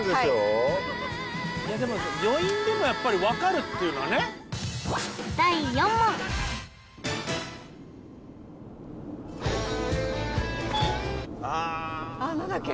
はいでも余韻でもやっぱり分かるっていうのはねああなんだっけ？